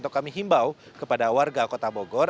atau kami himbau kepada warga kota bogor